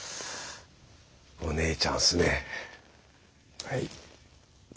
お姉ちゃんっすねはい。